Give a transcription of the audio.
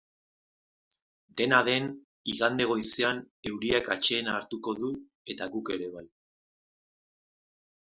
Dena den, igande goizean euriak atsedena hartuko du eta guk ere bai.